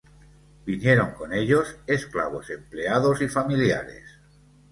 Vinieron con ellos: esclavos, empleados y familiares.